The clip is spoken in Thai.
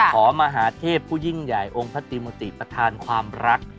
มหาเทพผู้ยิ่งใหญ่องค์พระติมุติประธานความรัก